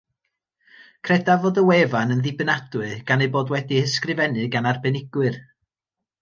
Credaf fod y wefan yn ddibynadwy gan ei bod wedi'i hysgrifennu gan arbenigwyr